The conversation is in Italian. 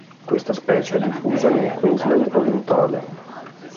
Questa specie è diffusa nel Queensland orientale.